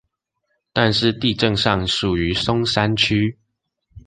但是地政上屬於松山區